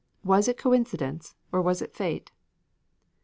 Was it coincidence, or was it fate?